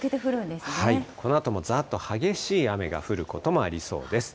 このあともざーっと激しい雨が降ることもありそうです。